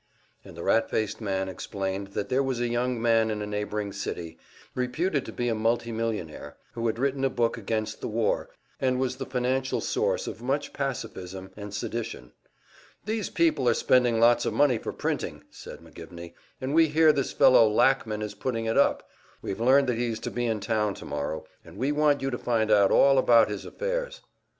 And the rat faced man explained that there was a young man in a neighboring city, reputed to be a multi millionaire, who had written a book against the war, and was the financial source of much pacificism and sedition. "These people are spending lots of money for printing," said McGivney, "and we hear this fellow Lackman is putting it up. We've learned that he is to be in town tomorrow, and we want you to find out all about his affairs."